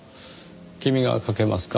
君がかけますか？